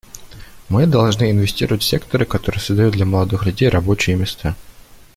Мы должны инвестировать в секторы, которые создают для молодых людей рабочие места.